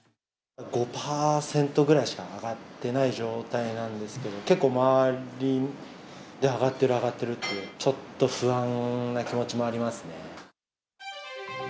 ５％ぐらいしか上がってない状態なんですけど、結構、周りで上がってる、上がってるってちょっと不安な気持ちもありますね。